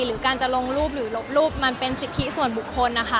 หรือการจะลงรูปหรือลบรูปมันเป็นสิทธิส่วนบุคคลนะคะ